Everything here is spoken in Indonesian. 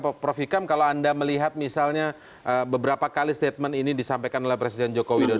prof hikam kalau anda melihat misalnya beberapa kali statement ini disampaikan oleh presiden joko widodo